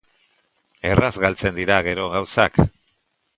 Erraz galtzen dira, gero, gauzak!